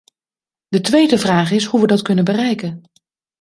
De tweede vraag is hoe we dat kunnen bereiken.